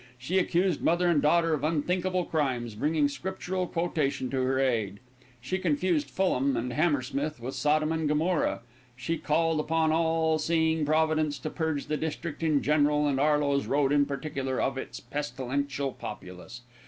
She accused mother and daughter of unthinkable crimes, bringing Scriptural quotation to her aid. She confused Fulham and Hammersmith with Sodom and Gomorrah. She called upon an all seeing Providence to purge the district in general, and Arloes Road in particular, of its pestilential populace.